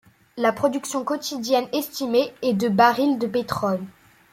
La production quotidienne estimée est de barils de pétrole.